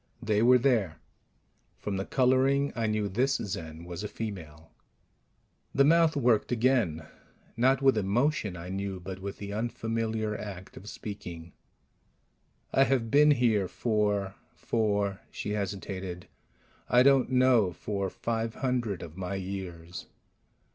They were there. From the coloring, I knew this Zen was a female. The mouth worked again not with emotion, I knew, but with the unfamiliar act of speaking. "I have been here for for " she hesitated "I don't know. For five hundred of my years."